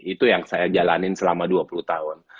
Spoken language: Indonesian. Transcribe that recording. itu yang saya jalanin selama dua puluh tahun